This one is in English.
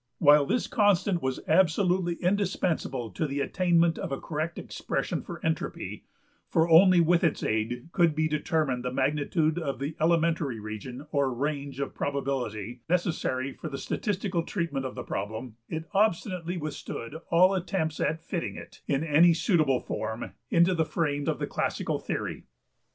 While this constant was absolutely indispensable to the attainment of a correct expression for entropy for only with its aid could be determined the magnitude of the `elementary region' or `range' of probability, necessary for the statistical treatment of the problem(21) it obstinately withstood all attempts at fitting it, in any suitable form, into the frame of the classical theory.